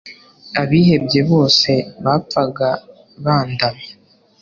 abihebye bose bapfaga bandamya